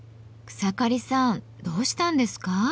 草刈さんどうしたんですか？